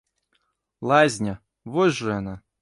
Лазня, вось жа яна.